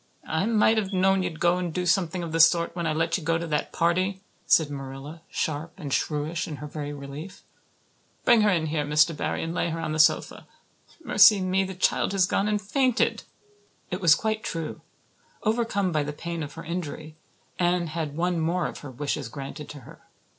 "I might have known you'd go and do something of the sort when I let you go to that party," said Marilla, sharp and shrewish in her very relief. "Bring her in here, Mr. Barry, and lay her on the sofa. Mercy me, the child has gone and fainted!" It was quite true. Overcome by the pain of her injury, Anne had one more of her wishes granted to her.